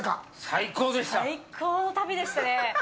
最高の旅でしたね。